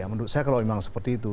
menurut saya kalau memang seperti itu